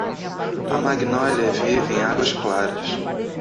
A Magnólia vive em Águas Claras.